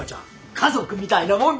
家族みたいなもんだから。